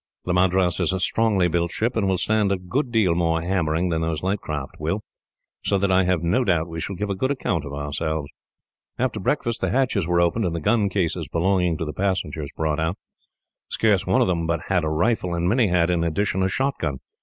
The Madras is a strongly built ship, and will stand a good deal more hammering than those light craft will, so that I have no doubt we shall give a good account of ourselves." After breakfast, the hatches were opened and the gun cases belonging to the passengers brought on deck. Scarce one of them but had a rifle, and many had, in addition, a shotgun.